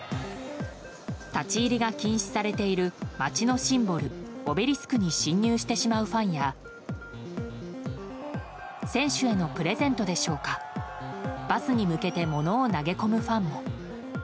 立ち入りが禁止されている街のシンボルオベリスクに侵入してしまうファンや選手へのプレゼントでしょうかバスに向けて物を投げ込むファンも。